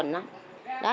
đó như mấy người kia kia kìa